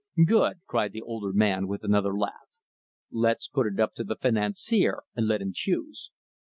"Good!" cried the older man, with another laugh. "Let's put it up to the financier and let him choose."